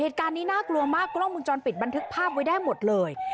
เหตุการณ์นี้น่ากลัวมากกล้องมึงจรปิดบันทึกภาพไว้ได้หมดเลย